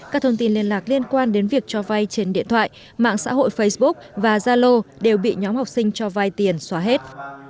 các thông tin liên lạc liên quan đến việc cho vay trên điện thoại mạng xã hội facebook và zalo đều bị nhóm học sinh cho vai tiền xóa hết